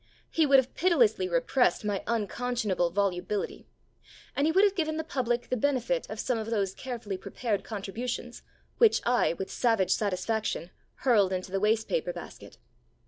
He would have pitilessly repressed my unconscionable volubility. And he would have given the public the benefit of some of those carefully prepared contributions which I, with savage satisfaction, hurled into the waste paper basket.